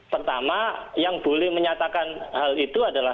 pertama yang boleh menyatakan hal itu adalah